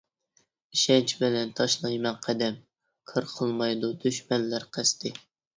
ئىشەنچ بىلەن تاشلايمەن قەدەم، كار قىلمايدۇ دۈشمەنلەر قەستى.